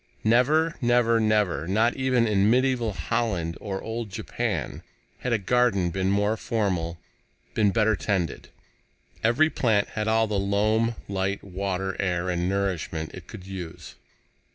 Never, never, never not even in medieval Holland nor old Japan had a garden been more formal, been better tended. Every plant had all the loam, light, water, air and nourishment it could use.